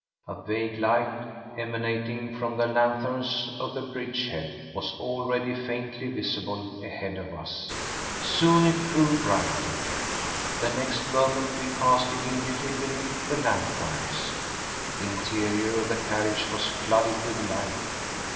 A vague light, emanating from the lanthorns at the bridge head, was already faintly visible ahead of us. Soon it grew brighter. The next moment we passed immediately beneath the lanthorns. The interior of the carriage was flooded with light